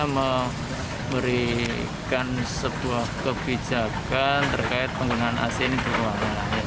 memberikan sebuah kebijakan terkait penggunaan ac ini di ruangan